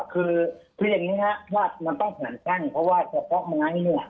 คือคืออย่างงี้ฮะว่ามันต้องแผนตั้งเพราะว่าเฉพาะมันไงเนี้ย